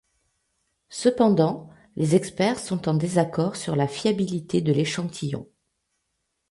Cependant, les experts sont en désaccord sur la fiabilité de l'échantillon.